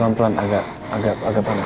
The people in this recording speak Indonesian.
pelan pelan agak panas